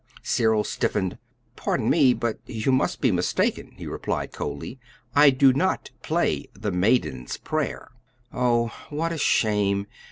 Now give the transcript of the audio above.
Cyril stiffened. "Pardon me, but you must be mistaken," he replied coldly. "I do not play 'The Maiden's Prayer.'" "Oh, what a shame!